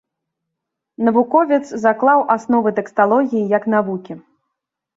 Навуковец заклаў асновы тэксталогіі як навукі.